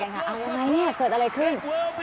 ก็ตกใจกันค่ะเนี่ยเกิดอะไรขึ้น